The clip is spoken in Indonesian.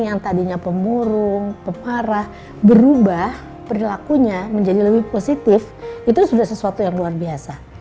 yang tadinya pemurung pemarah berubah perilakunya menjadi lebih positif itu sudah sesuatu yang luar biasa